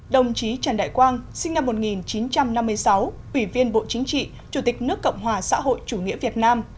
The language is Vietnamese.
đồng chí trần đại quang sinh năm một nghìn chín trăm năm mươi sáu ủy viên bộ chính trị chủ tịch nước cộng hòa xã hội chủ nghĩa việt nam